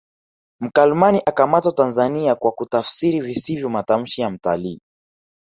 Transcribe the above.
Mkalimani akamatwa Tanzania kwa kutafsiri visivyo matamshi ya mtalii